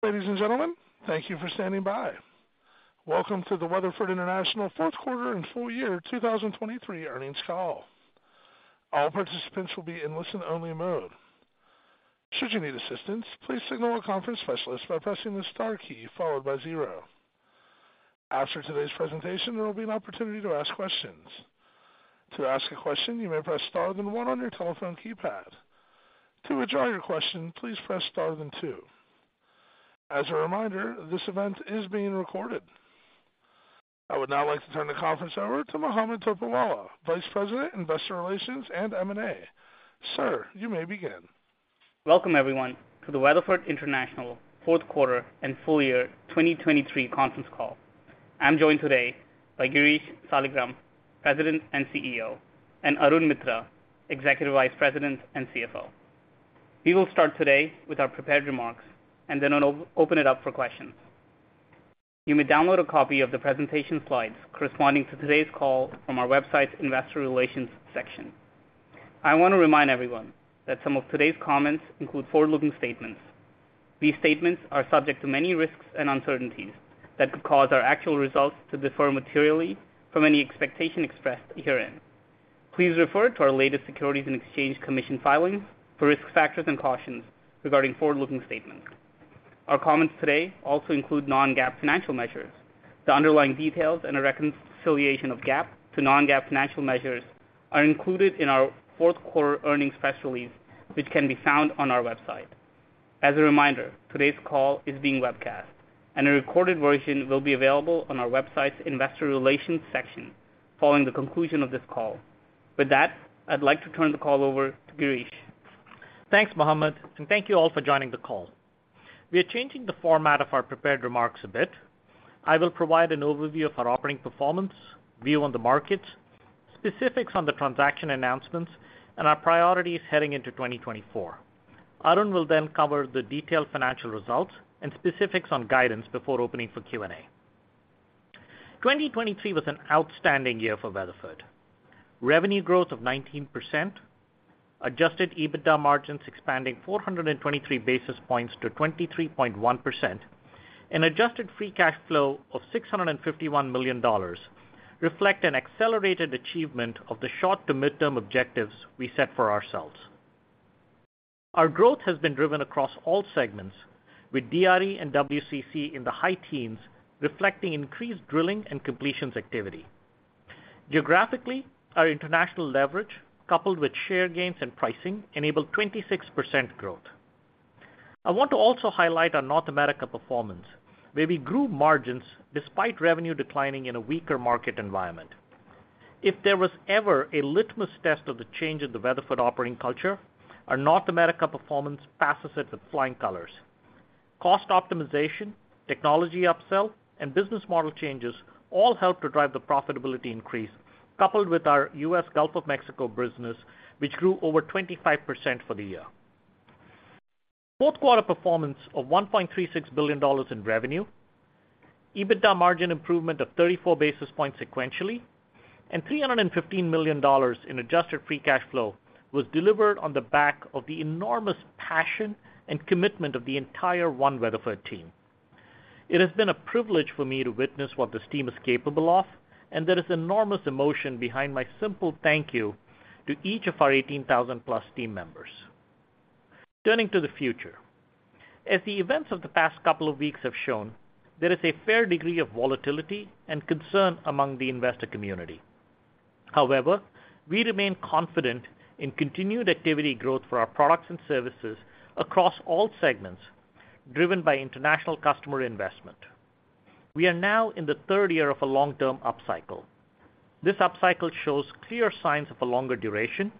Ladies and gentlemen, thank you for standing by. Welcome to the Weatherford International Fourth Quarter and Full Year 2023 Earnings Call. All participants will be in listen-only mode. Should you need assistance, please signal a conference specialist by pressing the star key followed by zero. After today's presentation, there will be an opportunity to ask questions. To ask a question, you may press star then one on your telephone keypad. To withdraw your question, please press star then two. As a reminder, this event is being recorded. I would now like to turn the conference over to Mohammed Topiwala, Vice President, Investor Relations, and M&A. Sir, you may begin. Welcome everyone to the Weatherford International Fourth Quarter and Full Year 2023 Conference Call. I'm joined today by Girish Saligram, President and CEO, and Arun Mitra, Executive Vice President and CFO. We will start today with our prepared remarks and then open it up for questions. You may download a copy of the presentation slides corresponding to today's call from our website's investor relations section. I want to remind everyone that some of today's comments include forward-looking statements. These statements are subject to many risks and uncertainties that could cause our actual results to differ materially from any expectation expressed herein. Please refer to our latest Securities and Exchange Commission filings for risk factors and cautions regarding forward-looking statements. Our comments today also include non-GAAP financial measures. The underlying details and a reconciliation of GAAP to non-GAAP financial measures are included in our fourth-quarter earnings press release, which can be found on our website. As a reminder, today's call is being webcast, and a recorded version will be available on our website's investor relations section following the conclusion of this call. With that, I'd like to turn the call over to Girish. Thanks, Mohammed, and thank you all for joining the call. We are changing the format of our prepared remarks a bit. I will provide an overview of our operating performance, view on the markets, specifics on the transaction announcements, and our priorities heading into 2024. Arun will then cover the detailed financial results and specifics on guidance before opening for Q&A. 2023 was an outstanding year for Weatherford. Revenue growth of 19%, adjusted EBITDA margins expanding 423 basis points to 23.1%, and adjusted free cash flow of $651 million reflect an accelerated achievement of the short to midterm objectives we set for ourselves. Our growth has been driven across all segments, with DRE and WCC in the high-teens, reflecting increased drilling and completions activity. Geographically, our international leverage, coupled with share gains and pricing, enabled 6% growth. I want to also highlight our North America performance, where we grew margins despite revenue declining in a weaker market environment. If there was ever a litmus test of the change in the Weatherford operating culture, our North America performance passes it with flying colors. Cost optimization, technology upsell, and business model changes all helped to drive the profitability increase, coupled with our U.S. Gulf of Mexico business, which grew over 25% for the year. Fourth quarter performance of $1.36 billion in revenue, EBITDA margin improvement of 34 basis points sequentially, and $315 million in adjusted free cash flow was delivered on the back of the enormous passion and commitment of the entire One Weatherford team. It has been a privilege for me to witness what this team is capable of, and there is enormous emotion behind my simple thank you to each of our 18,000+ team members. Turning to the future, as the events of the past couple of weeks have shown, there is a fair degree of volatility and concern among the investor community. However, we remain confident in continued activity growth for our products and services across all segments, driven by international customer investment. We are now in the third year of a long-term upcycle. This upcycle shows clear signs of a longer duration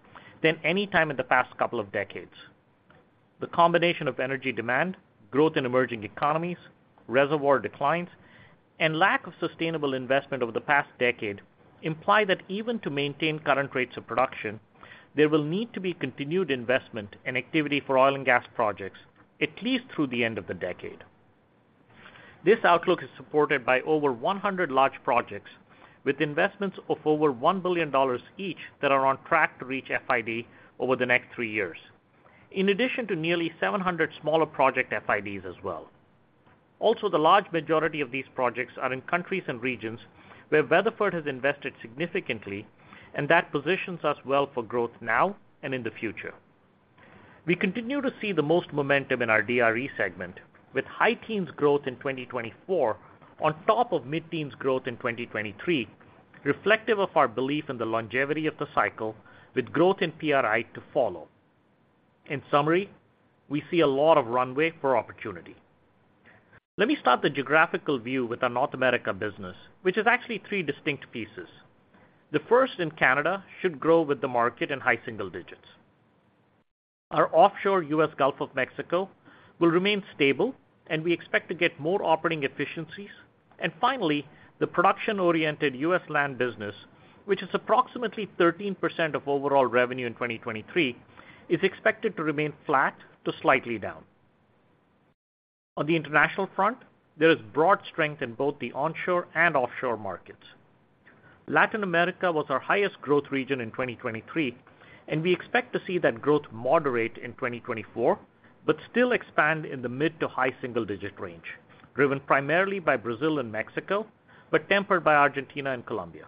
than any time in the past couple of decades. The combination of energy demand, growth in emerging economies, reservoir declines, and lack of sustainable investment over the past decade imply that even to maintain current rates of production, there will need to be continued investment and activity for oil and gas projects at least through the end of the decade. This outlook is supported by over 100 large projects with investments of over $1 billion each that are on track to reach FID over the next 3 years, in addition to nearly 700 smaller project FIDs as well. Also, the large majority of these projects are in countries and regions where Weatherford has invested significantly, and that positions us well for growth now and in the future. We continue to see the most momentum in our DRE segment, with high-teens growth in 2024 on top of mid-teens growth in 2023, reflective of our belief in the longevity of the cycle, with growth in PRI to follow. In summary, we see a lot of runway for opportunity. Let me start the geographical view with our North America business, which is actually three distinct pieces. The first in Canada should grow with the market in high single digits. Our offshore U.S. Gulf of Mexico will remain stable, and we expect to get more operating efficiencies. And finally, the production-oriented U.S. land business, which is approximately 13% of overall revenue in 2023, is expected to remain flat to slightly down. On the international front, there is broad strength in both the onshore and offshore markets. Latin America was our highest growth region in 2023, and we expect to see that growth moderate in 2024, but still expand in the mid- to high single-digit range, driven primarily by Brazil and Mexico, but tempered by Argentina and Colombia.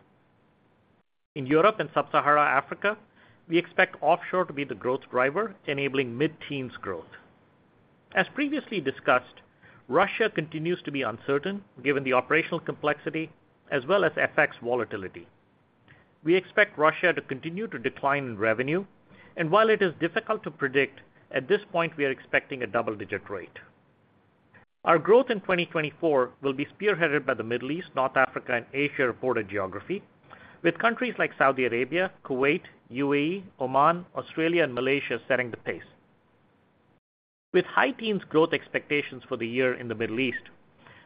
In Europe and Sub-Saharan Africa, we expect offshore to be the growth driver, enabling mid-teens growth. As previously discussed, Russia continues to be uncertain, given the operational complexity as well as FX volatility. We expect Russia to continue to decline in revenue, and while it is difficult to predict, at this point, we are expecting a double-digit rate. Our growth in 2024 will be spearheaded by the Middle East, North Africa, and Asia reporting geography, with countries like Saudi Arabia, Kuwait, UAE, Oman, Australia, and Malaysia setting the pace. With high-teens growth expectations for the year in the Middle East,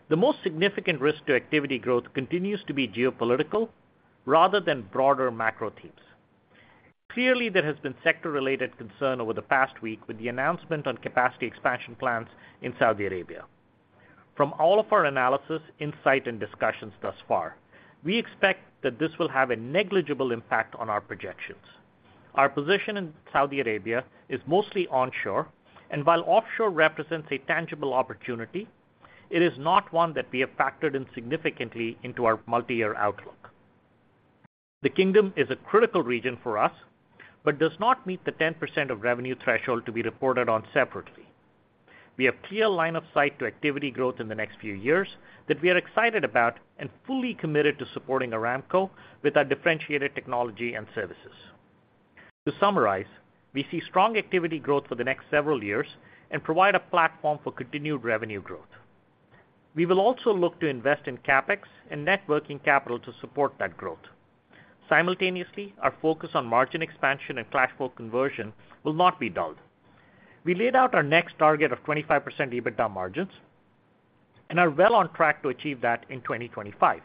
the most significant risk to activity growth continues to be geopolitical rather than broader macro themes. Clearly, there has been sector-related concern over the past week with the announcement on capacity expansion plans in Saudi Arabia. From all of our analysis, insight, and discussions thus far, we expect that this will have a negligible impact on our projections. Our position in Saudi Arabia is mostly onshore, and while offshore represents a tangible opportunity, it is not one that we have factored in significantly into our multiyear outlook. The Kingdom is a critical region for us, but does not meet the 10% of revenue threshold to be reported on separately. We have clear line of sight to activity growth in the next few years that we are excited about and fully committed to supporting Aramco with our differentiated technology and services. To summarize, we see strong activity growth for the next several years and provide a platform for continued revenue growth. We will also look to invest in CapEx and net working capital to support that growth. Simultaneously, our focus on margin expansion and cash flow conversion will not be dulled. We laid out our next target of 25% EBITDA margins and are well on track to achieve that in 2025.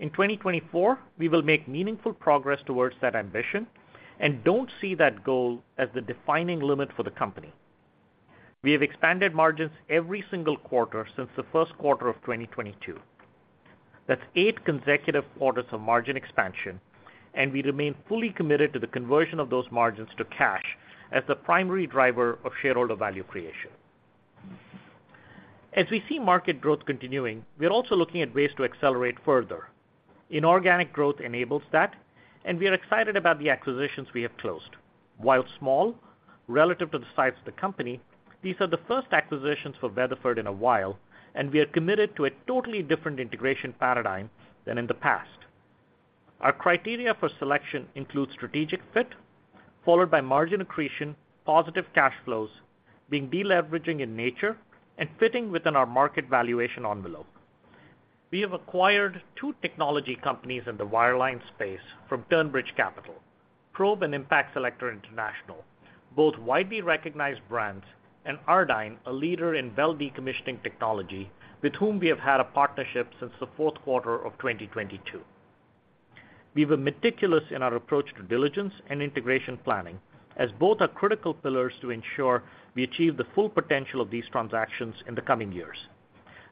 In 2024, we will make meaningful progress towards that ambition and don't see that goal as the defining limit for the company. We have expanded margins every single quarter since the first quarter of 2022. That's eight consecutive quarters of margin expansion, and we remain fully committed to the conversion of those margins to cash as the primary driver of shareholder value creation. As we see market growth continuing, we are also looking at ways to accelerate further. Inorganic growth enables that, and we are excited about the acquisitions we have closed. While small, relative to the size of the company, these are the first acquisitions for Weatherford in a while, and we are committed to a totally different integration paradigm than in the past. Our criteria for selection include strategic fit, followed by margin accretion, positive cash flows, being deleveraging in nature, and fitting within our market valuation envelope. We have acquired two technology companies in the wireline space from Turnbridge Capital, Probe and Impact Selector International, both widely recognized brands, and Ardyne, a leader in well decommissioning technology, with whom we have had a partnership since the fourth quarter of 2022. We were meticulous in our approach to diligence and integration planning, as both are critical pillars to ensure we achieve the full potential of these transactions in the coming years.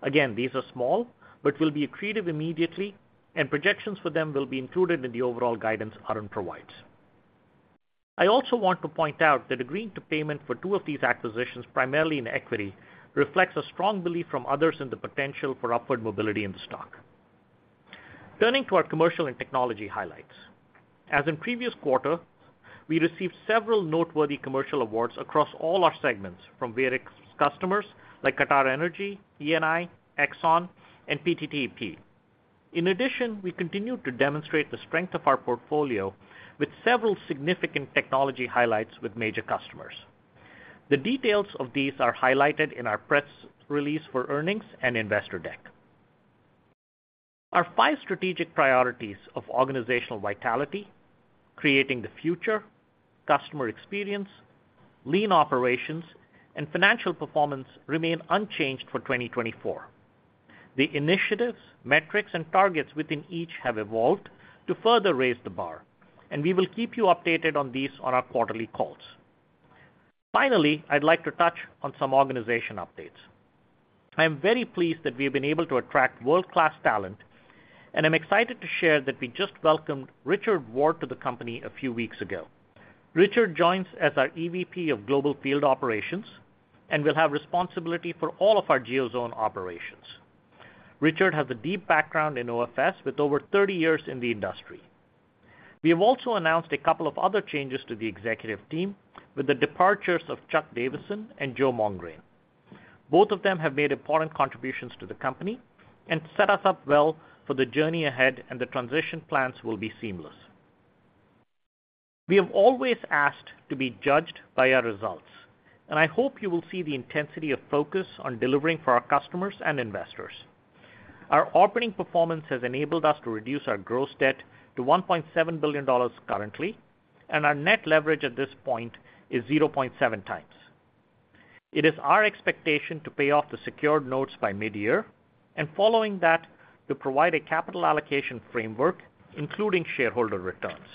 Again, these are small, but will be accretive immediately, and projections for them will be included in the overall guidance Arun provides. I also want to point out that agreeing to payment for two of these acquisitions, primarily in equity, reflects a strong belief from others in the potential for upward mobility in the stock. Turning to our commercial and technology highlights. As in previous quarter, we received several noteworthy commercial awards across all our segments from various customers like QatarEnergy, Eni, Exxon, and PTTEP. In addition, we continue to demonstrate the strength of our portfolio with several significant technology highlights with major customers. The details of these are highlighted in our press release for earnings and investor deck. Our five strategic priorities of organizational vitality, creating the future, customer experience, lean operations, and financial performance remain unchanged for 2024. The initiatives, metrics, and targets within each have evolved to further raise the bar, and we will keep you updated on these on our quarterly calls. Finally, I'd like to touch on some organization updates. I am very pleased that we've been able to attract world-class talent, and I'm excited to share that we just welcomed Richard Ward to the company a few weeks ago. Richard joins as our EVP of Global Field Operations and will have responsibility for all of our Geozone operations. Richard has a deep background in OFS with over 30 years in the industry. We have also announced a couple of other changes to the executive team with the departures of Chuck Davison and Joe Mongrain. Both of them have made important contributions to the company and set us up well for the journey ahead, and the transition plans will be seamless. We have always asked to be judged by our results, and I hope you will see the intensity of focus on delivering for our customers and investors. Our operating performance has enabled us to reduce our gross debt to $1.7 billion currently, and our net leverage at this point is 0.7 times. It is our expectation to pay off the secured notes by mid-year, and following that, to provide a capital allocation framework, including shareholder returns.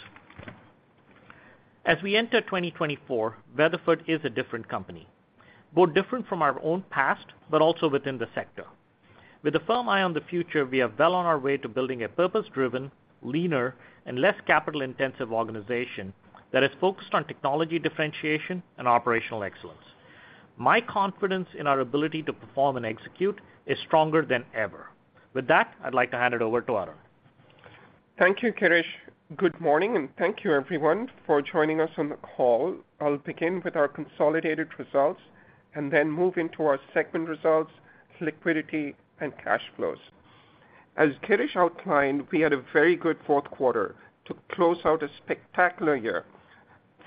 As we enter 2024, Weatherford is a different company, both different from our own past, but also within the sector. With a firm eye on the future, we are well on our way to building a purpose-driven, leaner, and less capital-intensive organization that is focused on technology differentiation and operational excellence. My confidence in our ability to perform and execute is stronger than ever. With that, I'd like to hand it over to Arun. Thank you, Girish. Good morning, and thank you everyone for joining us on the call. I'll begin with our consolidated results and then move into our segment results, liquidity, and cash flows. As Girish outlined, we had a very good fourth quarter to close out a spectacular year.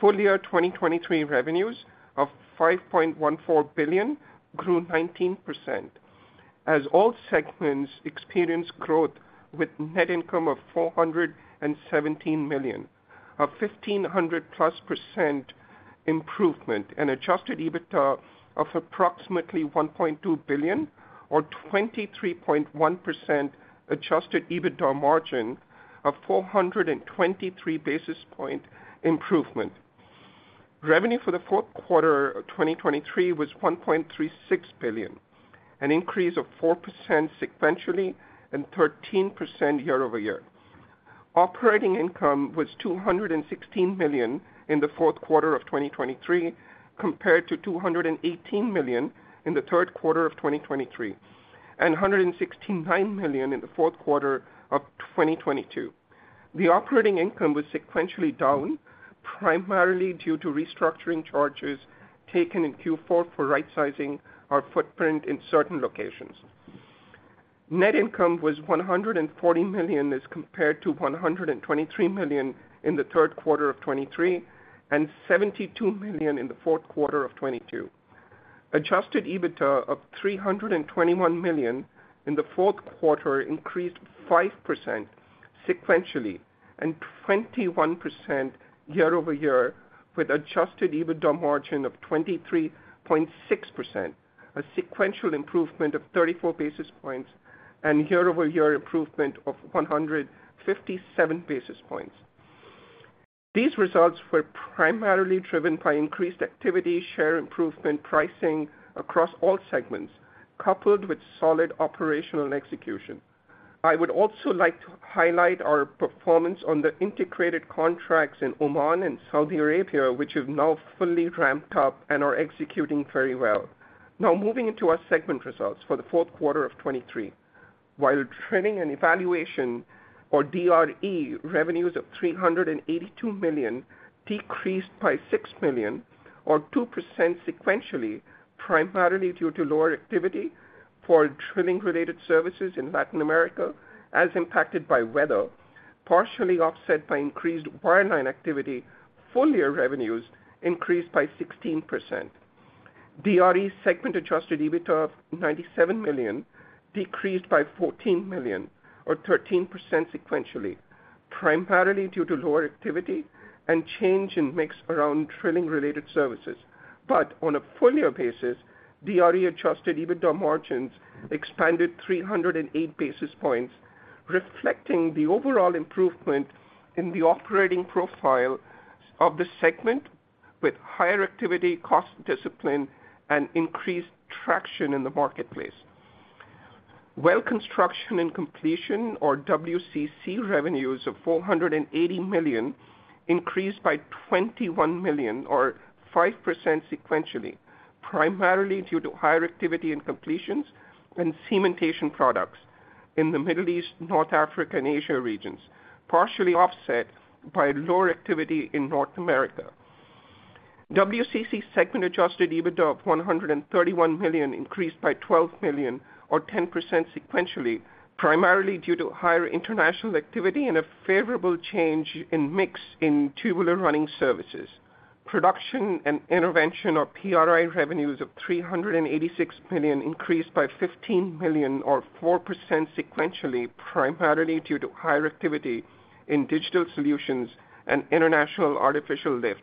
Full year 2023 revenues of $5.14 billion grew 19%, as all segments experienced growth with net income of $417 million, a 1,500+% improvement, and adjusted EBITDA of approximately $1.2 billion or 23.1% adjusted EBITDA margin of 423 basis point improvement. Revenue for the fourth quarter of 2023 was $1.36 billion, an increase of 4% sequentially and 13% year-over-year. Operating income was $216 million in the fourth quarter of 2023, compared to $218 million in the third quarter of 2023, and $169 million in the fourth quarter of 2022. The operating income was sequentially down, primarily due to restructuring charges taken in Q4 for rightsizing our footprint in certain locations. Net income was $140 million, as compared to $123 million in the third quarter of 2023, and $72 million in the fourth quarter of 2022. Adjusted EBITDA of $321 million in the fourth quarter increased 5% sequentially and 21% year-over-year, with adjusted EBITDA margin of 23.6%, a sequential improvement of 34 basis points and year-over-year improvement of 157 basis points. These results were primarily driven by increased activity, share improvement, pricing across all segments, coupled with solid operational execution. I would also like to highlight our performance on the integrated contracts in Oman and Saudi Arabia, which have now fully ramped up and are executing very well. Now, moving into our segment results for the fourth quarter of 2023. While Drilling and Evaluation, or DRE, revenues of $382 million decreased by $6 million, or 2% sequentially, primarily due to lower activity for drilling-related services in Latin America, as impacted by weather, partially offset by increased wireline activity. Full-year revenues increased by 16%. DRE segment Adjusted EBITDA of $97 million decreased by $14 million, or 13% sequentially, primarily due to lower activity and change in mix around drilling-related services. But on a full year basis, DRE adjusted EBITDA margins expanded 308 basis points, reflecting the overall improvement in the operating profile of the segment with higher activity, cost discipline, and increased traction in the marketplace. Well Construction and Completion, or WCC, revenues of $480 million increased by $21 million, or 5% sequentially, primarily due to higher activity in completions and cementation products in the Middle East, North Africa, and Asia regions, partially offset by lower activity in North America. WCC segment adjusted EBITDA of $131 million increased by $12 million, or 10% sequentially, primarily due to higher international activity and a favorable change in mix in tubular running services. Production and Intervention or PRI revenues of $386 million increased by $15 million, or 4% sequentially, primarily due to higher activity in digital solutions and international artificial lift,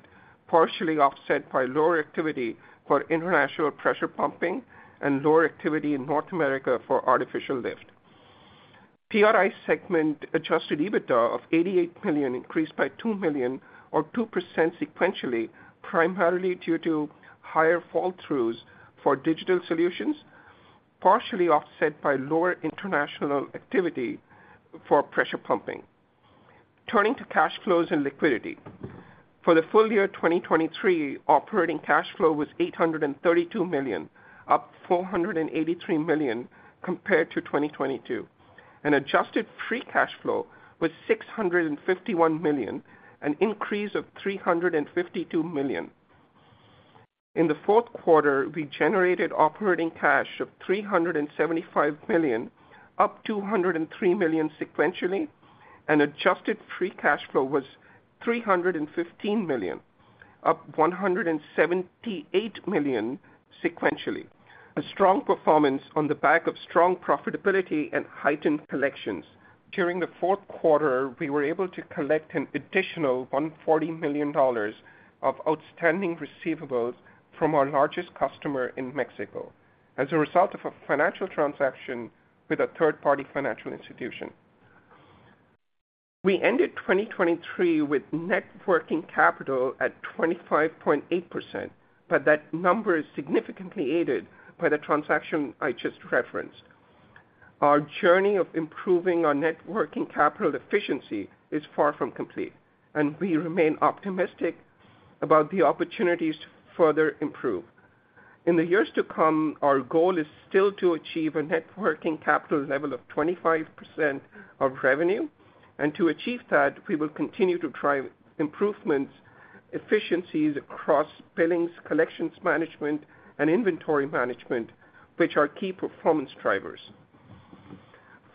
partially offset by lower activity for international pressure pumping and lower activity in North America for artificial lift. PRI segment adjusted EBITDA of $88 million increased by $2 million, or 2% sequentially, primarily due to higher fall-throughs for digital solutions, partially offset by lower international activity for pressure pumping. Turning to cash flows and liquidity. For the full year 2023, operating cash flow was $832 million, up $483 million compared to 2022, and adjusted free cash flow was $651 million, an increase of $352 million. In the fourth quarter, we generated operating cash of $375 million, up $203 million sequentially, and adjusted free cash flow was $315 million, up $178 million sequentially, a strong performance on the back of strong profitability and heightened collections. During the fourth quarter, we were able to collect an additional $140 million of outstanding receivables from our largest customer in Mexico as a result of a financial transaction with a third-party financial institution. We ended 2023 with net working capital at 25.8%, but that number is significantly aided by the transaction I just referenced. Our journey of improving our net working capital efficiency is far from complete, and we remain optimistic about the opportunities to further improve. In the years to come, our goal is still to achieve a net working capital level of 25% of revenue, and to achieve that, we will continue to drive improvements, efficiencies across billings, collections management, and inventory management, which are key performance drivers.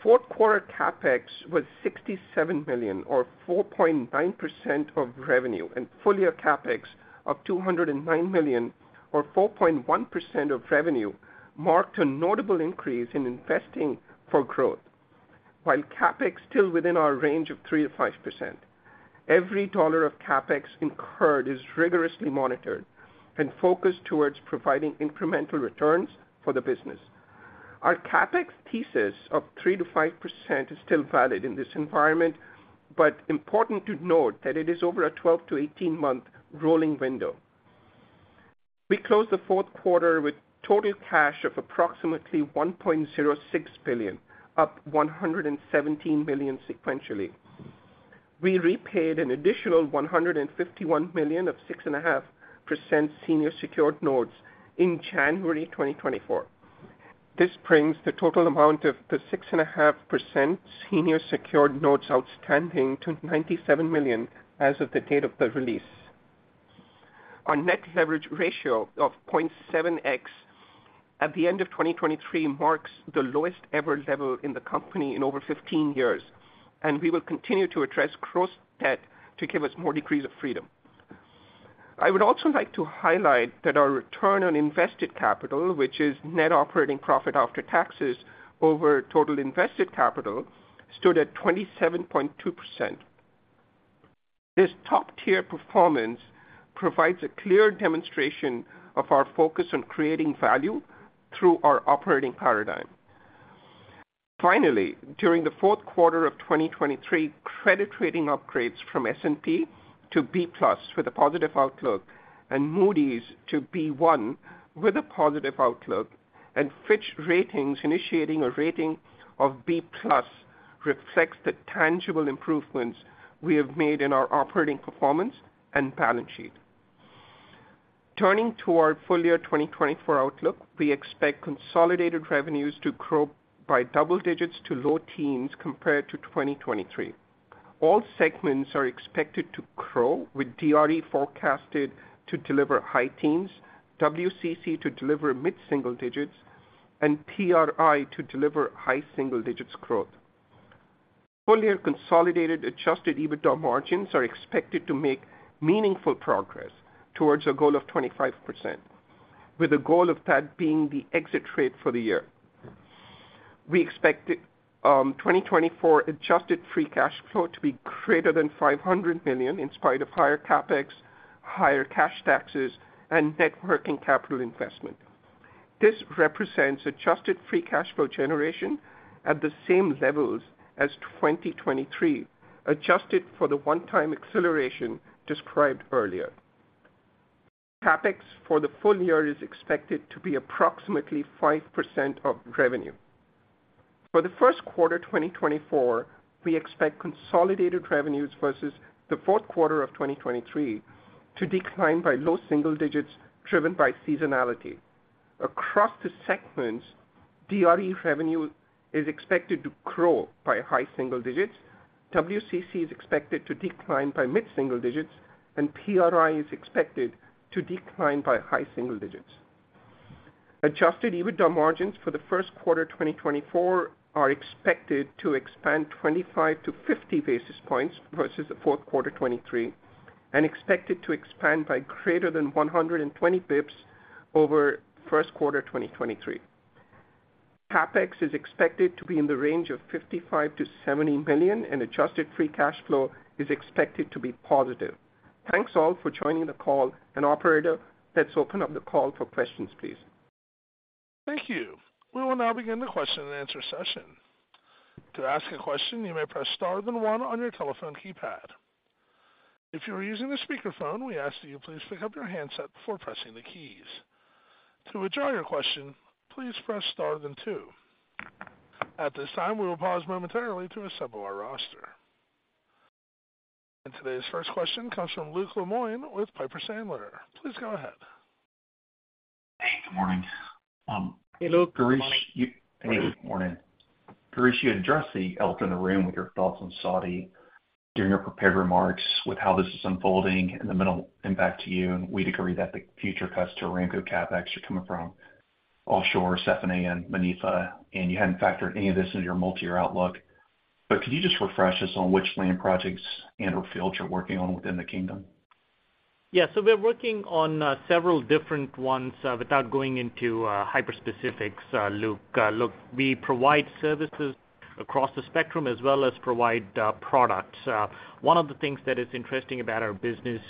Fourth quarter CapEx was $67 million, or 4.9% of revenue, and full-year CapEx of $209 million or 4.1% of revenue, marked a notable increase in investing for growth. While CapEx still within our range of 3%-5%, every dollar of CapEx incurred is rigorously monitored and focused towards providing incremental returns for the business. Our CapEx thesis of 3%-5% is still valid in this environment, but important to note that it is over a 12- to 18-month rolling window. We closed the fourth quarter with total cash of approximately $1.06 billion, up $117 million sequentially. We repaid an additional $151 million of 6.5% senior secured notes in January 2024. This brings the total amount of the 6.5% senior secured notes outstanding to $97 million as of the date of the release. Our net leverage ratio of 0.7x at the end of 2023 marks the lowest ever level in the company in over 15 years, and we will continue to address gross debt to give us more degrees of freedom. I would also like to highlight that our return on invested capital, which is net operating profit after taxes over total invested capital, stood at 27.2%. This top-tier performance provides a clear demonstration of our focus on creating value through our operating paradigm. Finally, during the fourth quarter of 2023, credit rating upgrades from S&P to B+ with a positive outlook and Moody's to B1 with a positive outlook, and Fitch Ratings initiating a rating of B+ reflects the tangible improvements we have made in our operating performance and balance sheet. Turning to our full-year 2024 outlook, we expect consolidated revenues to grow by double digits to low teens compared to 2023. All segments are expected to grow, with DRE forecasted to deliver high-teens, WCC to deliver mid-single digits, and PRI to deliver high single digits growth. Full-year consolidated adjusted EBITDA margins are expected to make meaningful progress towards a goal of 25%, with the goal of that being the exit rate for the year. We expect 2024 adjusted free cash flow to be greater than $500 million, in spite of higher CapEx, higher cash taxes, and net working capital investment. This represents adjusted free cash flow generation at the same levels as 2023, adjusted for the one-time acceleration described earlier. CapEx for the full year is expected to be approximately 5% of revenue. For the first quarter 2024, we expect consolidated revenues versus the fourth quarter of 2023 to decline by low single digits, driven by seasonality. Across the segments, DRE revenue is expected to grow by high single digits, WCC is expected to decline by mid-single digits, and PRI is expected to decline by high single digits. Adjusted EBITDA margins for the first quarter 2024 are expected to expand 25-50 basis points versus the fourth quarter 2023, and expected to expand by greater than 120 basis points over first quarter 2023. CapEx is expected to be in the range of $55 million-$70 million, and adjusted free cash flow is expected to be positive. Thanks, all, for joining the call, and operator, let's open up the call for questions, please. Thank you. We will now begin the Q&A session. To ask a question, you may press star then one on your telephone keypad. If you are using a speakerphone, we ask that you please pick up your handset before pressing the keys. To withdraw your question, please press star then two. At this time, we will pause momentarily to assemble our roster. And today's first question comes from Luke Lemoine with Piper Sandler. Please go ahead. Hey, good morning. Hey, Luke, good morning. Hey, good morning. Girish, you addressed the elephant in the room with your thoughts on Saudi during your prepared remarks with how this is unfolding and the minimal impact to you. We'd agree that the future customer Aramco CapEx are coming from offshore, Safaniyah, and Manifa, and you hadn't factored any of this into your multi-year outlook. But could you just refresh us on which land projects and/or fields you're working on within the Kingdom? Yeah. So we're working on several different ones. Without going into hyper specifics, Luke, look, we provide services across the spectrum as well as provide products. One of the things that is interesting about our business,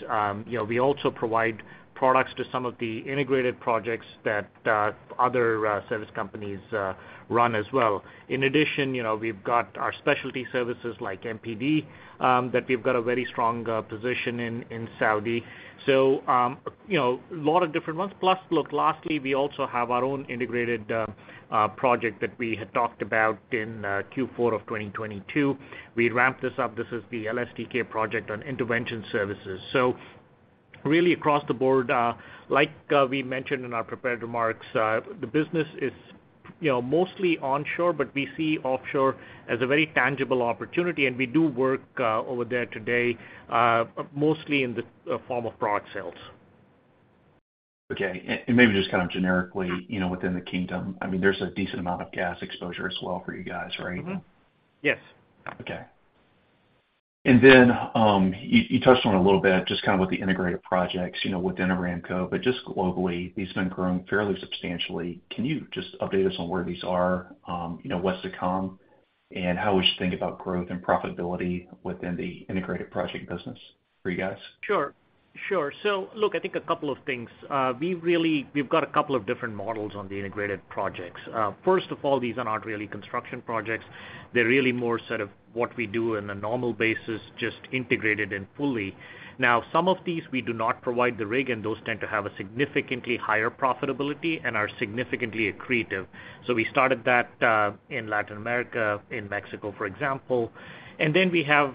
you know, we also provide products to some of the integrated projects that other service companies run as well. In addition, you know, we've got our specialty services like MPD, that we've got a very strong position in, in Saudi. So, you know, a lot of different ones. Plus, look, lastly, we also have our own integrated project that we had talked about in Q4 of 2022. We ramped this up. This is the LSTK project on intervention services. Really across the board, like, we mentioned in our prepared remarks, the business is, you know, mostly onshore, but we see offshore as a very tangible opportunity, and we do work over there today, mostly in the form of product sales. Okay. And maybe just kind of generically, you know, within the Kingdom, I mean, there's a decent amount of gas exposure as well for you guys, right? Mm-hmm. Yes. Okay. And then, you touched on it a little bit, just kind of with the integrated projects, you know, within Aramco, but just globally, these have been growing fairly substantially. Can you just update us on where these are, you know, what's to come, and how we should think about growth and profitability within the integrated project business for you guys? Sure. Sure. So look, I think a couple of things. We really, we've got a couple of different models on the integrated projects. First of all, these are not really construction projects. They're really more sort of what we do on a normal basis, just integrated and fully. Now, some of these, we do not provide the rig, and those tend to have a significantly higher profitability and are significantly accretive. So we started that in Latin America, in Mexico, for example. And then we have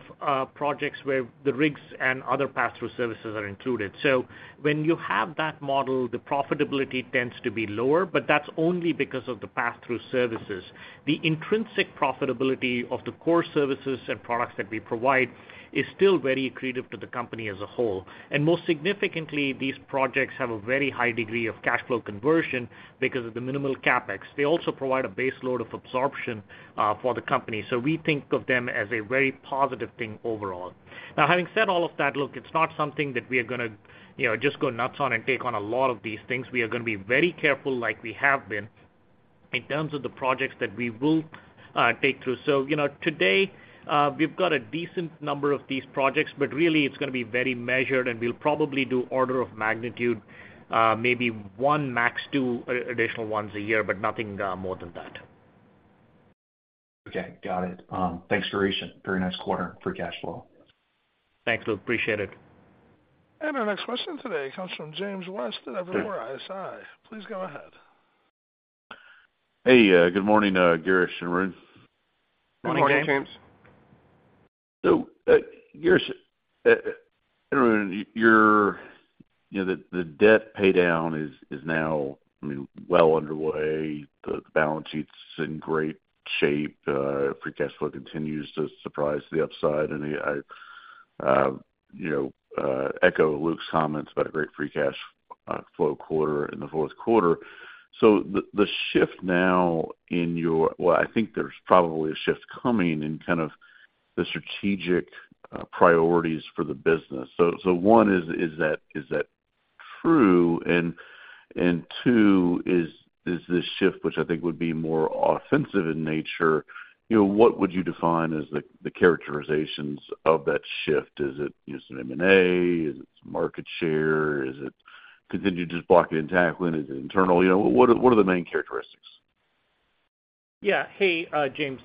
projects where the rigs and other pass-through services are included. So when you have that model, the profitability tends to be lower, but that's only because of the pass-through services. The intrinsic profitability of the core services and products that we provide is still very accretive to the company as a whole. Most significantly, these projects have a very high degree of cash flow conversion because of the minimal CapEx. They also provide a base load of absorption for the company. So we think of them as a very positive thing overall. Now, having said all of that, look, it's not something that we are gonna, you know, just go nuts on and take on a lot of these things. We are gonna be very careful, like we have been, in terms of the projects that we will take through. So, you know, today, we've got a decent number of these projects, but really, it's gonna be very measured, and we'll probably do order of magnitude, maybe one, max two, additional ones a year, but nothing more than that. Okay, got it. Thanks, Girish. Very nice quarter for cash flow. Thanks, Luke. Appreciate it. Our next question today comes from James West of Evercore ISI. Please go ahead. Hey, good morning, Girish and Arun. Good morning, James. Good morning, James. So, Girish, Arun, your, you know, the debt paydown is now, I mean, well underway. The balance sheet's in great shape. Free cash flow continues to surprise the upside, and I, you know, echo Luke's comments about a great free cash flow quarter in the fourth quarter. So the shift now in your- well, I think there's probably a shift coming in kind of the strategic priorities for the business. So, one, is that true? And, two, is this shift, which I think would be more offensive in nature, you know, what would you define as the characterizations of that shift? Is it just an M&A? Is it market share? Is it continue to just blocking and tackling? Is it internal? You know, what are the main characteristics? Yeah. Hey, James,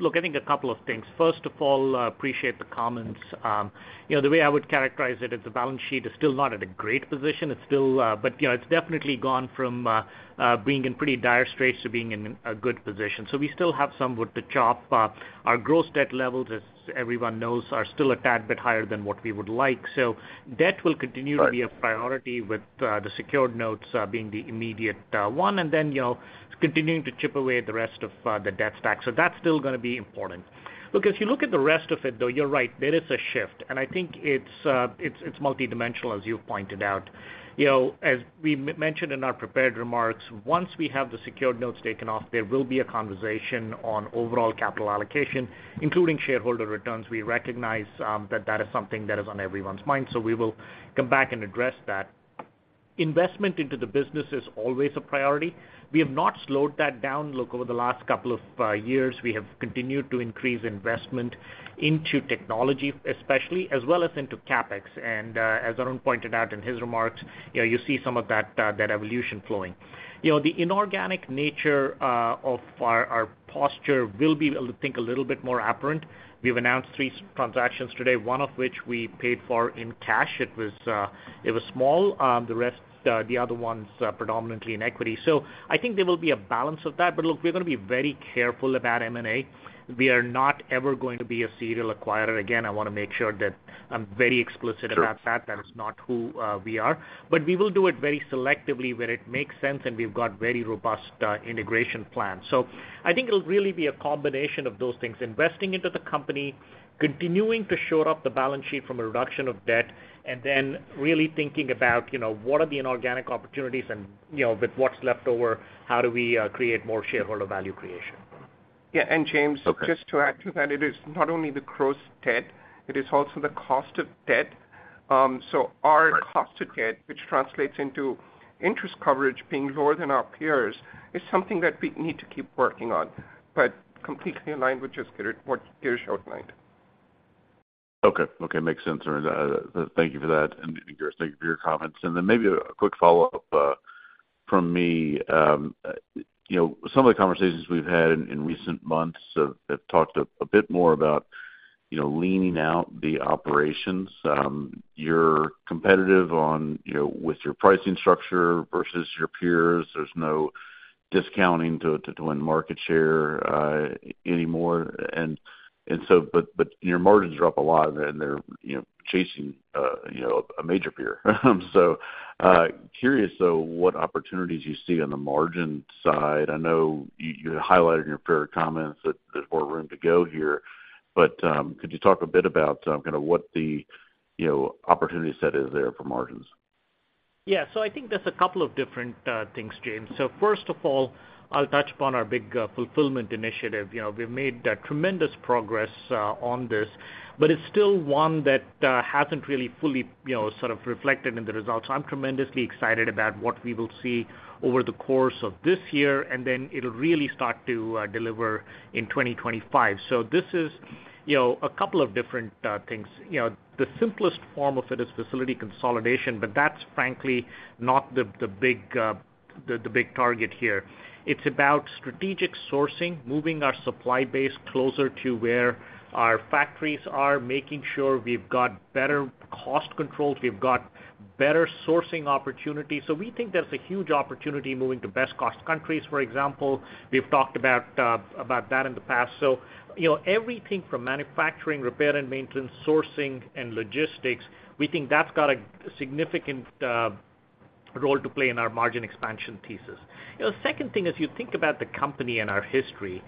look, I think a couple of things. First of all, appreciate the comments. You know, the way I would characterize it is the balance sheet is still not at a great position. It's still- but, you know, it's definitely gone from being in pretty dire straits to being in a good position. So we still have some wood to chop. Our gross debt levels, as everyone knows, are still a tad bit higher than what we would like. So debt will continue to be a priority, with the secured notes being the immediate one, and then, you know, continuing to chip away at the rest of the debt stack. So that's still gonna be important. Look, if you look at the rest of it, though, you're right, there is a shift, and I think it's multidimensional, as you pointed out. You know, as we mentioned in our prepared remarks, once we have the secured notes taken off, there will be a conversation on overall capital allocation, including shareholder returns. We recognize that that is something that is on everyone's mind, so we will come back and address that. Investment into the business is always a priority. We have not slowed that down. Look, over the last couple of years, we have continued to increase investment into technology, especially, as well as into CapEx. And as Arun pointed out in his remarks, you know, you see some of that that evolution flowing. You know, the inorganic nature of our our posture will be, I think, a little bit more apparent. We've announced three transactions today, one of which we paid for in cash. It was it was small. The rest, the other ones, predominantly in equity. So I think there will be a balance of that. But look, we're gonna be very careful about M&A. We are not ever going to be a serial acquirer again. I wanna make sure that I'm very explicit about that That is not who we are. But we will do it very selectively when it makes sense, and we've got very robust integration plans. So I think it'll really be a combination of those things: investing into the company, continuing to shore up the balance sheet from a reduction of debt, and then really thinking about, you know, what are the inorganic opportunities and, you know, with what's left over, how do we create more shareholder value creation? Yeah, and James... Okay. ...just to add to that, it is not only the gross debt, it is also the cost of debt.so our cost to get, which translates into interest coverage being lower than our peers, is something that we need to keep working on, but completely in line with just what Girish outlined. Okay. Okay, makes sense, Arun. Thank you for that, and Girish, thank you for your comments. And then maybe a quick follow-up from me. You know, some of the conversations we've had in recent months have talked a bit more about, you know, leaning out the operations. You're competitive on, you know, with your pricing structure versus your peers. There's no discounting to win market share anymore. And so, but your margins are up a lot, and they're, you know, chasing, you know, a major peer. So, curious, though, what opportunities you see on the margin side. I know you highlighted in your prepared comments that there's more room to go here, but could you talk a bit about kinda what the, you know, opportunity set is there for margins? Yeah. So I think there's a couple of different things, James. So first of all, I'll touch upon our big fulfillment initiative. You know, we've made tremendous progress on this, but it's still one that hasn't really fully, you know, sort of reflected in the results. So I'm tremendously excited about what we will see over the course of this year, and then it'll really start to deliver in 2025. So this is, you know, a couple of different things. You know, the simplest form of it is facility consolidation, but that's frankly not the big target here. It's about strategic sourcing, moving our supply base closer to where our factories are, making sure we've got better cost control, we've got better sourcing opportunities. So we think there's a huge opportunity moving to best cost countries, for example. We've talked about, about that in the past. So, you know, everything from manufacturing, repair and maintenance, sourcing, and logistics, we think that's got a significant, role to play in our margin expansion thesis. You know, the second thing, as you think about the company and our history,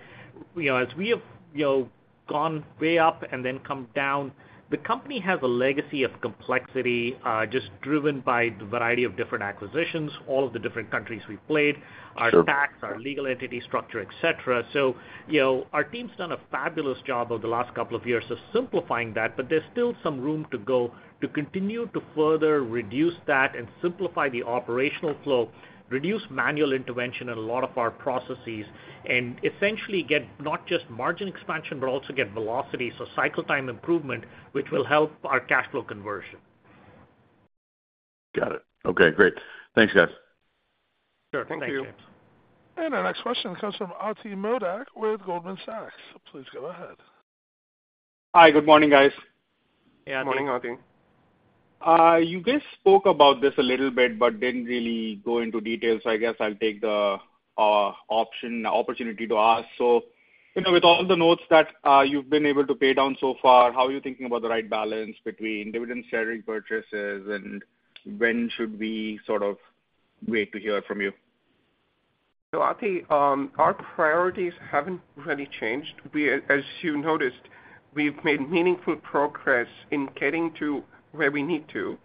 you know, as we have, you know, gone way up and then come down, the company has a legacy of complexity, just driven by the variety of different acquisitions, all of the different countries we've played- our tax, our legal entity structure, et cetera. So, you know, our team's done a fabulous job over the last couple of years of simplifying that, but there's still some room to go to continue to further reduce that and simplify the operational flow, reduce manual intervention in a lot of our processes, and essentially get not just margin expansion, but also get velocity, so cycle time improvement, which will help our cash flow conversion. Got it. Okay, great. Thanks, guys. Sure. Thank you. Thank you. Our next question comes from Atidrip Modak with Goldman Sachs. Please go ahead. Hi, good morning, guys. Yeah, good morning, Atidrip. You guys spoke about this a little bit, but didn't really go into detail, so I guess I'll take the option, opportunity to ask. So, you know, with all the notes that you've been able to pay down so far, how are you thinking about the right balance between dividend sharing purchases, and when should we sort of wait to hear from you? So Atidrip, our priorities haven't really changed. We—as you noticed, we've made meaningful progress in getting to where we need to.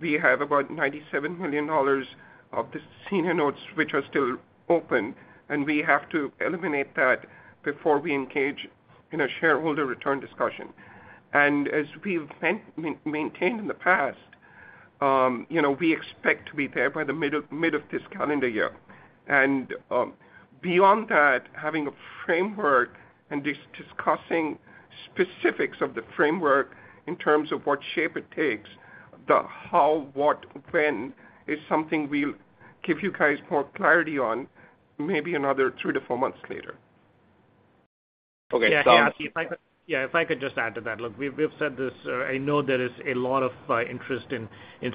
We have about $97 million of the senior notes, which are still open, and we have to eliminate that before we engage in a shareholder return discussion. And as we've maintained in the past, you know, we expect to be there by the mid of this calendar year. And beyond that, having a framework and discussing specifics of the framework in terms of what shape it takes, the how, what, when, is something we'll give you guys more clarity on maybe another 3-4 months later. Okay. Yeah, Atidrip, if I could just add to that. Look, we've said this. I know there is a lot of interest in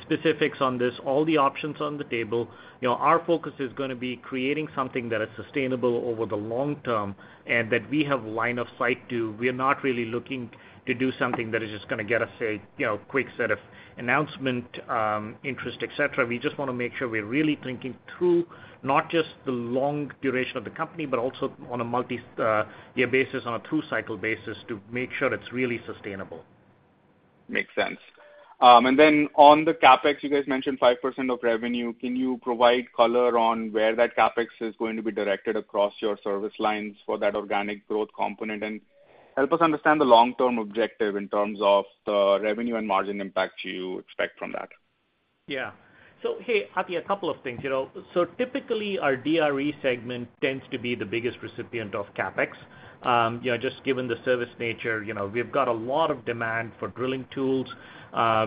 specifics on this, all the options on the table. You know, our focus is gonna be creating something that is sustainable over the long term, and that we have line of sight to. We are not really looking to do something that is just gonna get us a, you know, quick set of announcement, interest, et cetera. We just wanna make sure we're really thinking through not just the long duration of the company, but also on a multi-year basis, on a two-cycle basis, to make sure it's really sustainable. Makes sense. And then on the CapEx, you guys mentioned 5% of revenue. Can you provide color on where that CapEx is going to be directed across your service lines for that organic growth component? And help us understand the long-term objective in terms of the revenue and margin impact you expect from that. Yeah. So, hey, Atidrip, a couple of things. You know, so typically, our DRE segment tends to be the biggest recipient of CapEx. You know, just given the service nature, you know, we've got a lot of demand for drilling tools.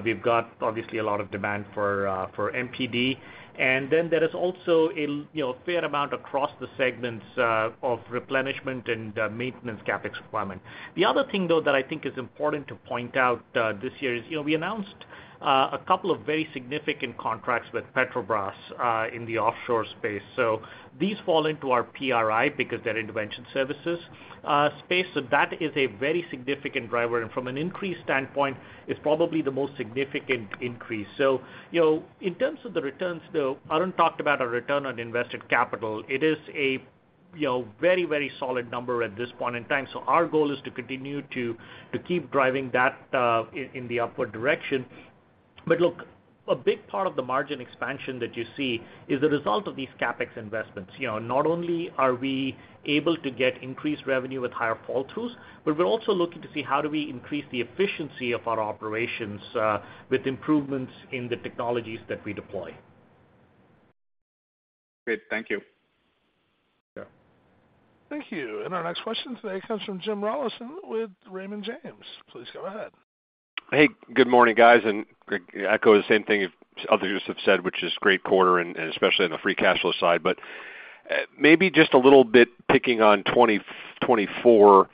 We've got, obviously, a lot of demand for MPD. And then there is also a you know, fair amount across the segments of replenishment and maintenance CapEx requirement. The other thing, though, that I think is important to point out this year is, you know, we announced a couple of very significant contracts with Petrobras in the offshore space. So these fall into our PRI, because they're intervention services space, so that is a very significant driver. And from an increase standpoint, it's probably the most significant increase. So, you know, in terms of the returns, though, Arun talked about a return on invested capital. It is a, you know, very, very solid number at this point in time. So our goal is to continue to keep driving that in the upward direction. But look, a big part of the margin expansion that you see is the result of these CapEx investments. You know, not only are we able to get increased revenue with higher field tools, but we're also looking to see how do we increase the efficiency of our operations with improvements in the technologies that we deploy. Great. Thank you. Thank you. Our next question today comes from Jim Rollyson with Raymond James. Please go ahead. Hey, good morning, guys. And Girish, I echo the same thing as others have said, which is great quarter and, and especially on the free cash flow side. But maybe just a little bit picking on 2024.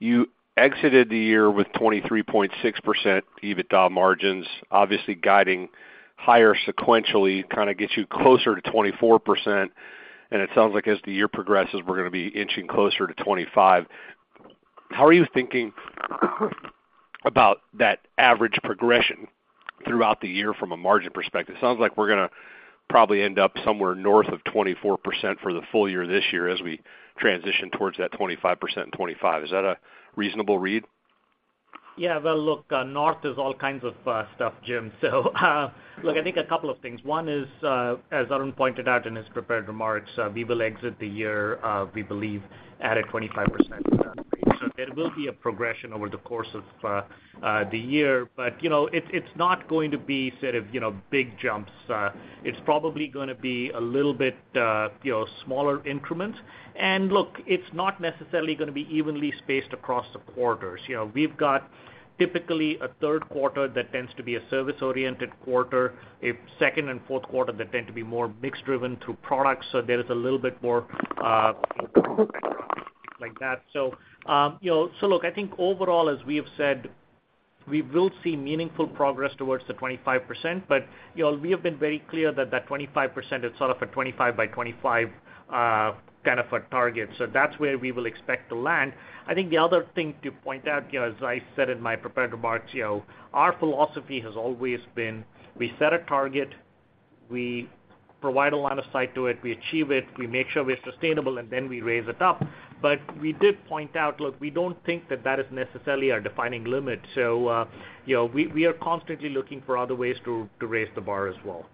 You exited the year with 23.6% EBITDA margins, obviously guiding higher sequentially, kinda gets you closer to 24%, and it sounds like as the year progresses, we're gonna be inching closer to 25%. How are you thinking about that average progression throughout the year from a margin perspective? It sounds like we're gonna probably end up somewhere north of 24% for the full year this year as we transition towards that 25% in 2025. Is that a reasonable read? Yeah, well, look, north is all kinds of stuff, Jim. So, look, I think a couple of things. One is, as Arun pointed out in his prepared remarks, we will exit the year, we believe, at a 25% rate. So there will be a progression over the course of the year, but, you know, it's, it's not going to be set of, you know, big jumps. It's probably gonna be a little bit, you know, smaller increments. And look, it's not necessarily gonna be evenly spaced across the quarters. You know, we've got typically a third quarter that tends to be a service-oriented quarter, a second and fourth quarter that tend to be more mix driven through products, so there is a little bit more, like that. So, you know, so look, I think overall, as we have said, we will see meaningful progress towards the 25%, but, you know, we have been very clear that that 25% is sort of a 25 by 25, kind of a target. So that's where we will expect to land. I think the other thing to point out, you know, as I said in my prepared remarks, you know, our philosophy has always been- we set a target, we provide a line of sight to it, we achieve it, we make sure we're sustainable, and then we raise it up. But we did point out, look, we don't think that that is necessarily our defining limit. So, you know, we are constantly looking for other ways to raise the bar as well.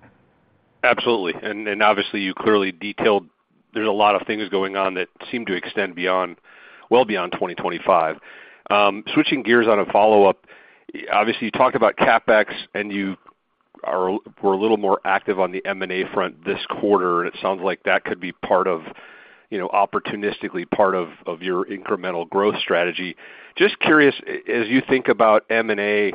Absolutely. And obviously, you clearly detailed there's a lot of things going on that seem to extend beyond, well beyond 2025. Switching gears on a follow-up, obviously, you talked about CapEx, and you are-were a little more active on the M&A front this quarter, and it sounds like that could be part of, you know, opportunistically, part of, of your incremental growth strategy. Just curious, as you think about M&A,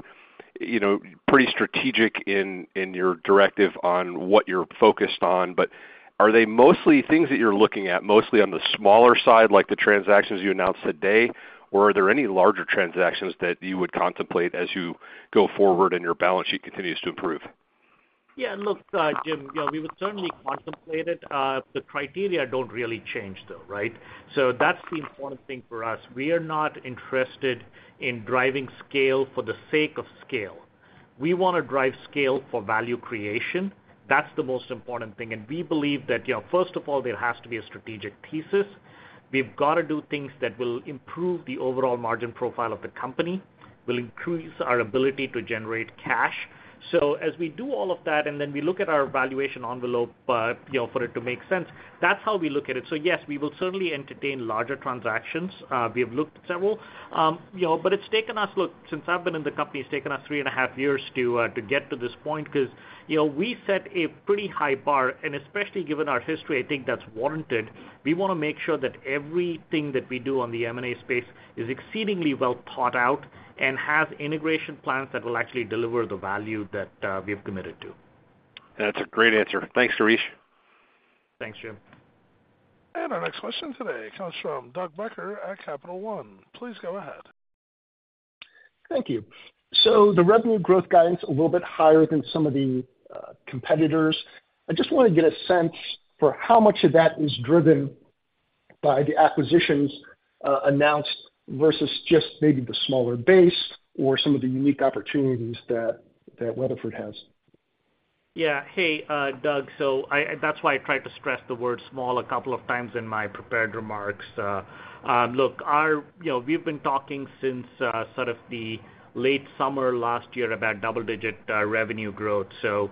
you know, pretty strategic in, in your directive on what you're focused on, but are they mostly things that you're looking at, mostly on the smaller side, like the transactions you announced today? Or are there any larger transactions that you would contemplate as you go forward and your balance sheet continues to improve? Yeah, look, Jim, you know, we would certainly contemplate it. The criteria don't really change, though, right? So that's the important thing for us. We are not interested in driving scale for the sake of scale. We wanna drive scale for value creation. That's the most important thing, and we believe that, you know, first of all, there has to be a strategic thesis. We've got to do things that will improve the overall margin profile of the company, will increase our ability to generate cash. So as we do all of that, and then we look at our valuation envelope, you know, for it to make sense, that's how we look at it. So yes, we will certainly entertain larger transactions. We have looked at several. You know, but it's taken us. Look, since I've been in the company, it's taken us three and a half years to get to this point 'cause, you know, we set a pretty high bar, and especially given our history, I think that's warranted. We wanna make sure that everything that we do on the M&A space is exceedingly well thought out and has integration plans that will actually deliver the value that we have committed to. That's a great answer. Thanks, Girish. Thanks, Jim. Our next question today comes from Doug Becker at Capital One. Please go ahead. Thank you. The revenue growth guidance a little bit higher than some of the competitors. I just wanna get a sense for how much of that is driven by the acquisitions announced versus just maybe the smaller base or some of the unique opportunities that Weatherford has. Yeah. Hey, Doug, so that's why I tried to stress the word small a couple of times in my prepared remarks. Look, our- you know, we've been talking since sort of the late summer last year about double-digit revenue growth, so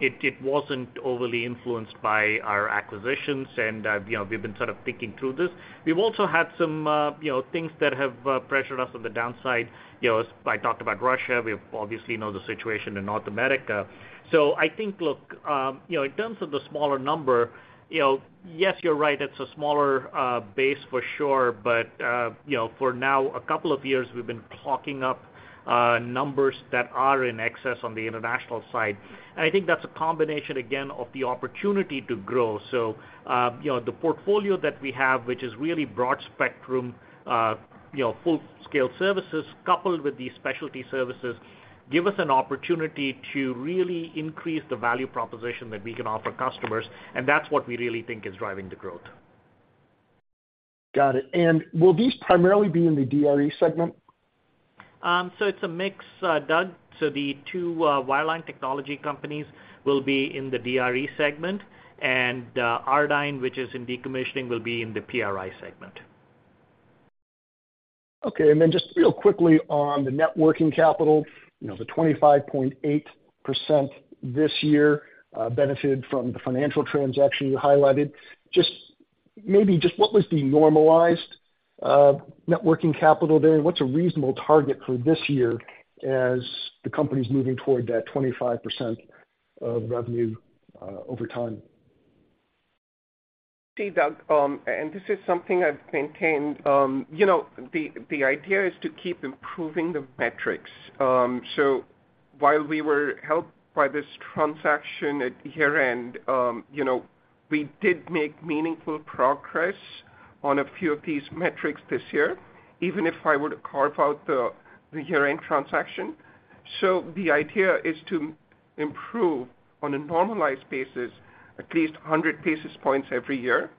it wasn't overly influenced by our acquisitions. And you know, we've been sort of thinking through this. We've also had some you know, things that have pressured us on the downside. You know, as I talked about Russia, we obviously know the situation in North America. So I think, look, you know, in terms of the smaller number, you know, yes, you're right, it's a smaller base for sure, but you know, for now, a couple of years, we've been clocking up numbers that are in excess on the international side. And I think that's a combination, again, of the opportunity to grow. So, you know, the portfolio that we have, which is really broad spectrum, you know, full-scale services, coupled with these specialty services, give us an opportunity to really increase the value proposition that we can offer customers, and that's what we really think is driving the growth. Got it. Will these primarily be in the DRE segment? So it's a mix, Doug. So the two wireline technology companies will be in the DRE segment, and Ardyne, which is in decommissioning, will be in the PRI segment. Okay, and then just real quickly on the net working capital, you know, the 25.8% this year benefited from the financial transaction you highlighted. Just maybe just what was the normalized net working capital there? What's a reasonable target for this year as the company's moving toward that 25% of revenue over time? See, Doug, and this is something I've maintained, you know, the idea is to keep improving the metrics. So while we were helped by this transaction at year-end, you know, we did make meaningful progress on a few of these metrics this year, even if I were to carve out the year-end transaction. So the idea is to improve on a normalized basis, at least 100 basis points every year,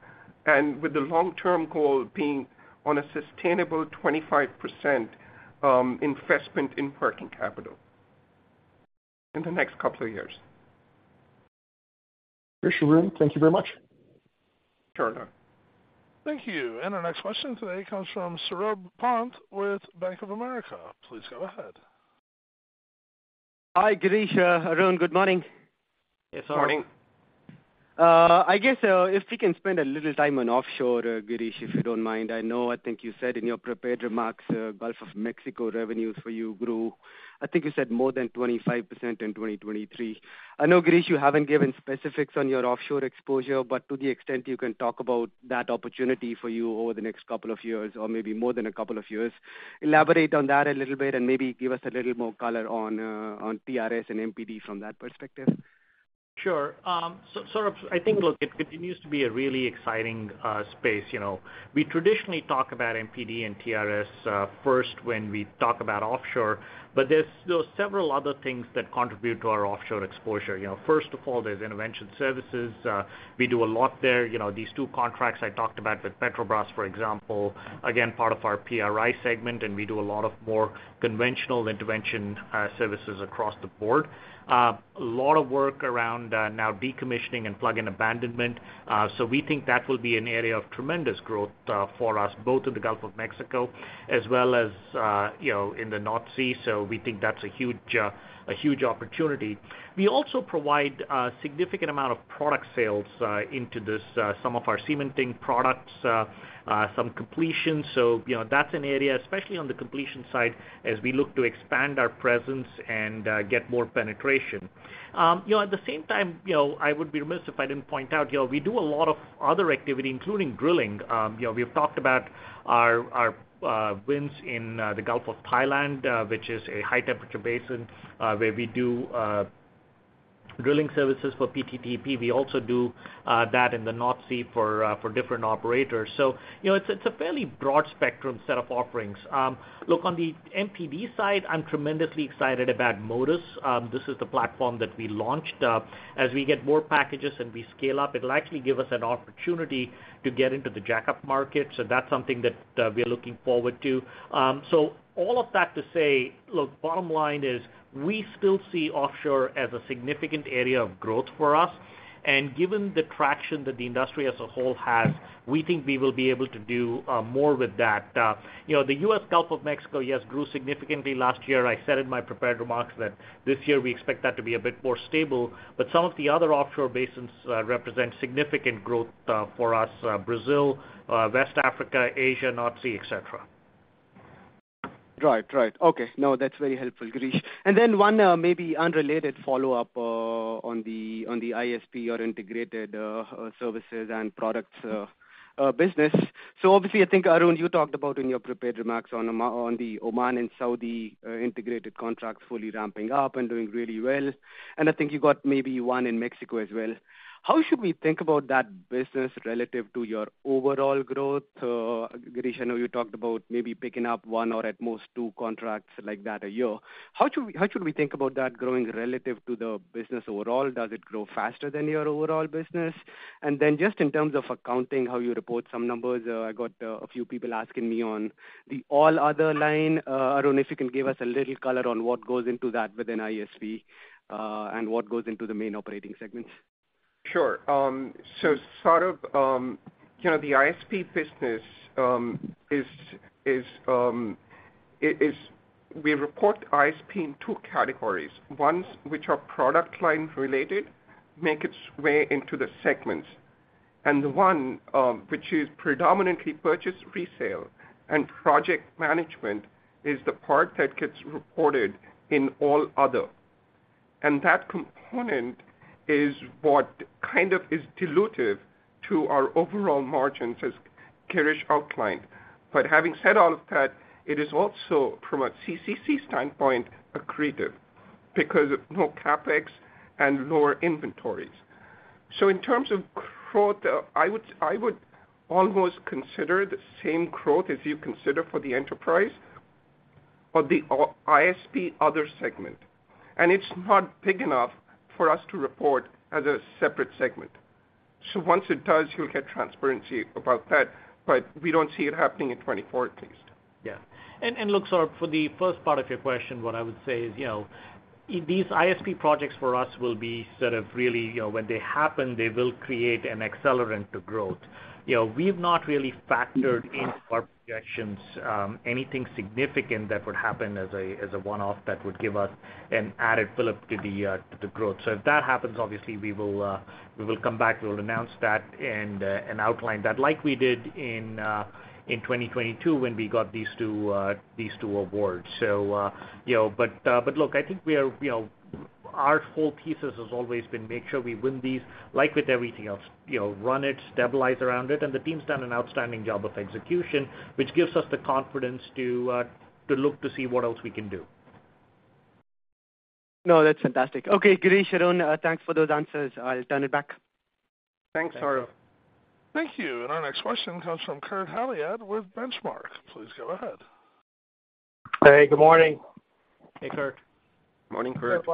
and with the long-term goal being on a sustainable 25% investment in working capital in the next couple of years. Sure, Arun. Thank you very much. Sure. Thank you. Our next question today comes from Saurabh Pant with Bank of America. Please go ahead. Hi, Girish, Arun. Good morning. Good morning. I guess, if we can spend a little time on offshore, Girish, if you don't mind. I know I think you said in your prepared remarks, Gulf of Mexico revenues for you grew, I think you said more than 25% in 2023. I know, Girish, you haven't given specifics on your offshore exposure, but to the extent you can talk about that opportunity for you over the next couple of years, or maybe more than a couple of years, elaborate on that a little bit and maybe give us a little more color on, on TRS and MPD from that perspective. Sure. So, Saurabh, I think, look, it continues to be a really exciting space. You know, we traditionally talk about MPD and TRS first when we talk about offshore, but there's, you know, several other things that contribute to our offshore exposure. You know, first of all, there's intervention services. We do a lot there. You know, these two contracts I talked about with Petrobras, for example, again, part of our PRI segment, and we do a lot of more conventional intervention services across the board. A lot of work around now decommissioning and plug and abandonment. So we think that will be an area of tremendous growth for us, both in the Gulf of Mexico as well as, you know, in the North Sea. So we think that's a huge, a huge opportunity. We also provide a significant amount of product sales into this, some of our cementing products, some completions. So, you know, that's an area, especially on the completion side, as we look to expand our presence and get more penetration. You know, at the same time, you know, I would be remiss if I didn't point out, you know, we do a lot of other activity, including drilling. You know, we've talked about our wins in the Gulf of Thailand, which is a high-temperature basin, where we do drilling services for PTTEP. We also do that in the North Sea for different operators. So, you know, it's a fairly broad spectrum set of offerings. Look, on the MPD side, I'm tremendously excited about Modus. This is the platform that we launched. As we get more packages and we scale up, it'll actually give us an opportunity to get into the jackup market, so that's something that we are looking forward to. So all of that to say, look, bottom line is we still see offshore as a significant area of growth for us, and given the traction that the industry as a whole has, we think we will be able to do more with that. You know, the U.S. Gulf of Mexico, yes, grew significantly last year. I said in my prepared remarks that this year we expect that to be a bit more stable, but some of the other offshore basins represent significant growth for us: Brazil, West Africa, Asia, North Sea, et cetera. Right. Right. Okay. No, that's very helpful, Girish. And then one, maybe unrelated follow-up, on the, on the ISP or Integrated Services and Products, business. So obviously, I think, Arun, you talked about in your prepared remarks on the Oman and Saudi, integrated contracts fully ramping up and doing really well, and I think you got maybe one in Mexico as well. How should we think about that business relative to your overall growth? Girish, I know you talked about maybe picking up one or at most two contracts like that a year. How should we, how should we think about that growing relative to the business overall? Does it grow faster than your overall business? And then just in terms of accounting, how you report some numbers, I got a few people asking me on the All Other line. Arun, if you can give us a little color on what goes into that within ISP, and what goes into the main operating segments. Sure. So sort of, you know, the ISP business is it is. We report ISP in two categories. Ones which are product line related, make its way into the segments, and the one which is predominantly purchase resale and project management, is the part that gets reported in All Other. And that component is what kind of is dilutive to our overall margins, as Girish outlined. But having said all of that, it is also, from a CCC standpoint, accretive because of no CapEx and lower inventories. So in terms of growth, I would almost consider the same growth as you consider for the enterprise or the ISP other segment, and it's not big enough for us to report as a separate segment. Once it does, you'll get transparency about that, but we don't see it happening in 2024 at least. Yeah. Look, Saurabh, for the first part of your question, what I would say is, you know, these ISP projects for us will be sort of really, you know, when they happen, they will create an accelerant to growth. You know, we've not really factored into our projections anything significant that would happen as a one-off that would give us an added fill- up to the growth. So if that happens, obviously, we will come back, we'll announce that and outline that, like we did in 2022 when we got these two awards. So, you know, but look, I think we are, you know, our whole thesis has always been make sure we win these, like with everything else, you know, run it, stabilize around it, and the team's done an outstanding job of execution, which gives us the confidence to look to see what else we can do. No, that's fantastic. Okay, Girish, Arun, thanks for those answers. I'll turn it back. Thanks, Saurabh. Thank you. Our next question comes from Kurt Hallead with Benchmark. Please go ahead. Hey, good morning. Hey, Kurt. Morning, Kurt.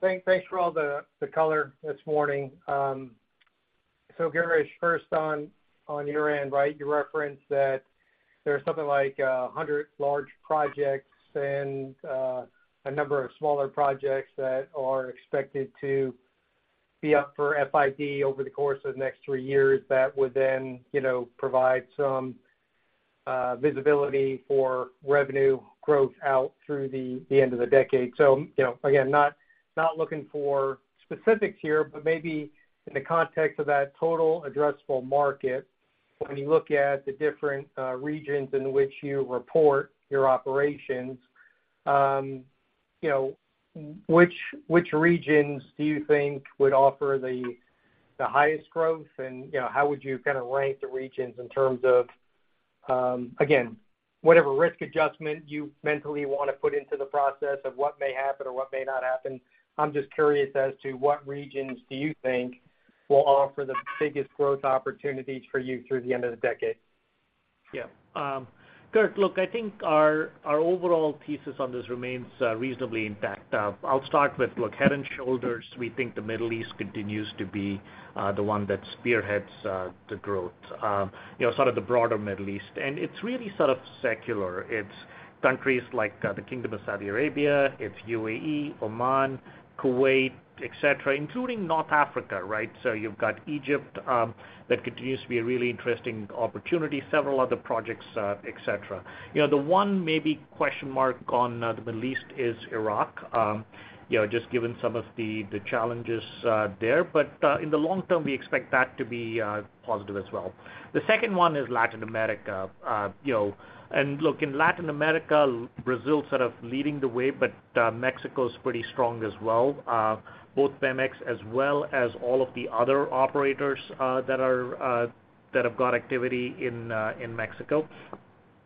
Thanks, thanks for all the color this morning. So, Girish, first on your end, right? You referenced that there's something like 100 large projects and a number of smaller projects that are expected to be up for FID over the course of the next three years, that would then, you know, provide some visibility for revenue growth out through the end of the decade. So, you know, again, not looking for specifics here, but maybe in the context of that total addressable market, when you look at the different regions in which you report your operations, you know, which regions do you think would offer the highest growth? You know, how would you kind of rank the regions in terms of, again, whatever risk adjustment you mentally wanna put into the process of what may happen or what may not happen? I'm just curious as to what regions do you think will offer the biggest growth opportunities for you through the end of the decade? Yeah. Kurt, look, I think our overall thesis on this remains reasonably intact. I'll start with, look, head and shoulders, we think the Middle East continues to be the one that spearheads the growth, you know, sort of the broader Middle East. And it's really sort of secular. It's countries like the Kingdom of Saudi Arabia, it's UAE, Oman, Kuwait, et cetera, including North Africa, right? So you've got Egypt that continues to be a really interesting opportunity, several other projects, et cetera. You know, the one maybe question mark on the Middle East is Iraq, you know, just given some of the challenges there. But in the long term, we expect that to be positive as well. The second one is Latin America. You know, and look, in Latin America, Brazil is sort of leading the way, but Mexico is pretty strong as well, both Pemex as well as all of the other operators that have got activity in Mexico.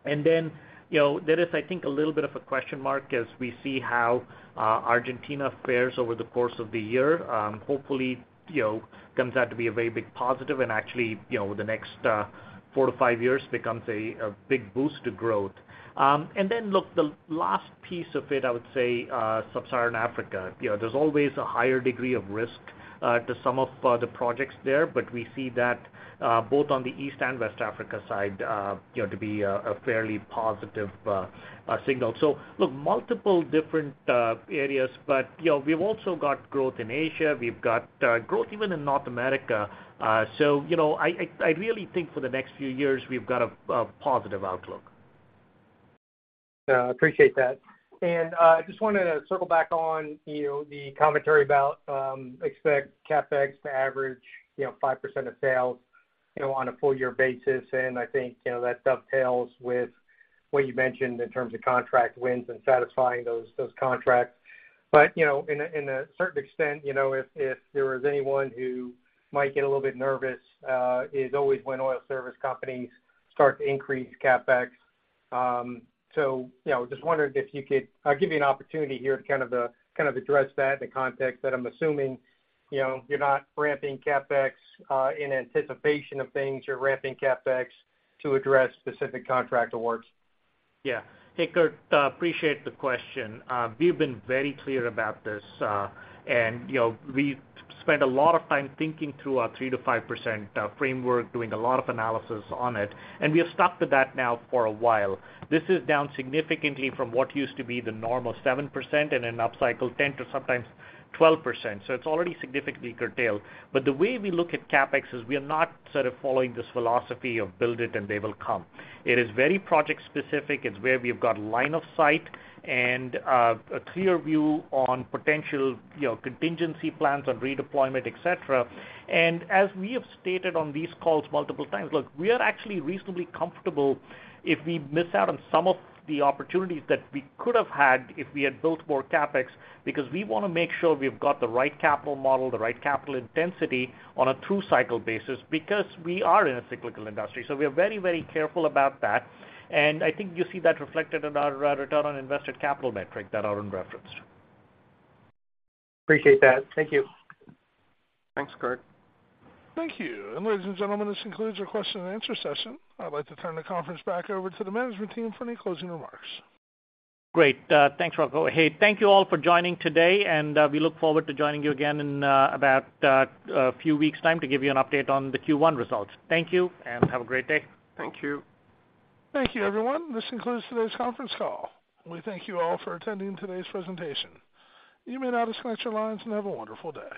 And then, you know, there is, I think, a little bit of a question mark as we see how Argentina fares over the course of the year. Hopefully, you know, comes out to be a very big positive and actually, you know, over the next 4-5 years becomes a big boost to growth. And then, look, the last piece of it, I would say, Sub-Saharan Africa. You know, there's always a higher degree of risk to some of the projects there, but we see that both on the East and West Africa side, you know, to be a fairly positive signal. So look, multiple different areas, but you know, we've also got growth in Asia. We've got growth even in North America. So you know, I really think for the next few years, we've got a positive outlook. Yeah, I appreciate that. And I just wanted to circle back on, you know, the commentary about expect CapEx to average, you know, 5% of sales, you know, on a full year basis. And I think, you know, that dovetails with what you mentioned in terms of contract wins and satisfying those, those contracts. But, you know, in a certain extent, you know, if there was anyone who might get a little bit nervous is always when oil service companies start to increase CapEx. So, you know, just wondering if you could- I'll give you an opportunity here to kind of kind of address that in the context that I'm assuming, you know, you're not ramping CapEx in anticipation of things. You're ramping CapEx to address specific contract awards. Yeah. Hey, Kurt, appreciate the question. We've been very clear about this, and, you know, we've spent a lot of time thinking through our 3%-5% framework, doing a lot of analysis on it, and we have stuck to that now for a while. This is down significantly from what used to be the normal 7%, and in up cycle, 10%-12%. So it's already significantly curtailed. But the way we look at CapEx is we are not sort of following this philosophy of build it and they will come. It is very project-specific. It's where we've got line of sight and a clear view on potential, you know, contingency plans on redeployment, et cetera. As we have stated on these calls multiple times, look, we are actually reasonably comfortable if we miss out on some of the opportunities that we could have had if we had built more CapEx, because we wanna make sure we've got the right capital model, the right capital intensity on a two-cycle basis, because we are in a cyclical industry. So we are very, very careful about that, and I think you see that reflected in our return on invested capital metric that Arun referenced. Appreciate that. Thank you. Thanks, Kurt. Thank you. Ladies and gentlemen, this concludes our Q&A session. I'd like to turn the conference back over to the management team for any closing remarks. Great. Thanks, Rocco. Hey, thank you all for joining today, and we look forward to joining you again in about a few weeks' time to give you an update on the Q1 results. Thank you, and have a great day. Thank you. Thank you, everyone. This concludes today's conference call. We thank you all for attending today's presentation. You may now disconnect your lines and have a wonderful day.